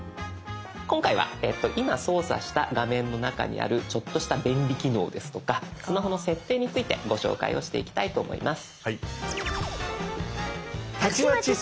今回は今操作した画面の中にあるちょっとした便利機能ですとかスマホの設定についてご紹介をしていきたいと思います。